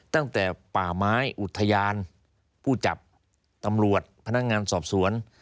ตั้งแต่ป่าไม้อุทยานผู้จับตำรวจพนักงานสอบสวน